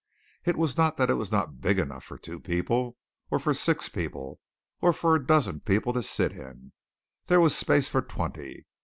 It was not that it was not big enough for two people, or for six people, or for a dozen people to sit in there was space for twenty.